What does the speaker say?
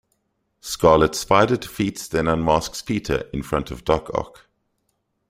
Scarlet Spider defeats then unmasks Peter in front of Doc Ock.